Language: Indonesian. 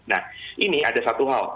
nah ini ada satu hal